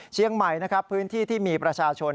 เชียงใหม่นะครับพื้นที่ที่มีประชาชน